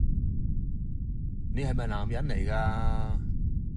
你係咪男人嚟㗎？